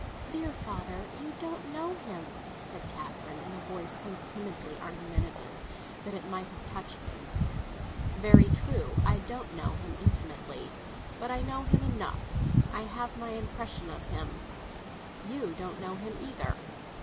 "Dear father, you don't know him," said Catherine, in a voice so timidly argumentative that it might have touched him. "Very true; I don't know him intimately. But I know him enough. I have my impression of him. You don't know him either."